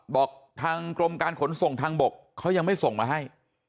บอกทางกรมการขนส่งทางบกเขายังไม่ส่งมาให้